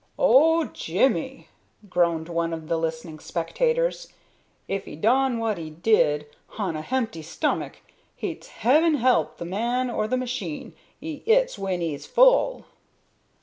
"Oh, Jimmy!" groaned one of the listening spectators. "If 'e done wot 'e did hon a hempty stummick, hit's 'eaven 'elp the man or the machine 'e 'its when 'e's full."